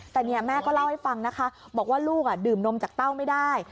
แต่เนี่ยแม่ก็เล่าให้ฟังนะคะบอกว่าลูกดื่มนมจากเต้าไม่ได้